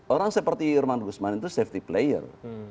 orang seperti irman gusman itu safety player